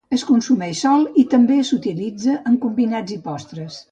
Es consumeix sol i també s'utilitza en combinats i postres.